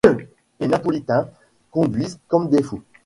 Les napolitains conduisent comme des fous !